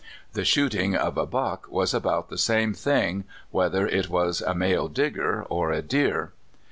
The shooting of a "buck" was about the same thing, whether it was a male Digger or a deer.